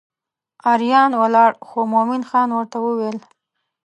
اریان ولاړ خو مومن خان ورته وویل.